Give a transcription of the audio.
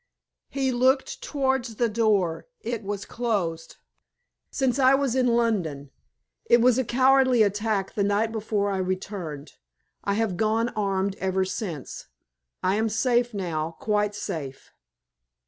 He looked towards the door; it was closed. "Since I was in London. It was a cowardly attack the night before I returned. I have gone armed ever since. I am safe now quite safe."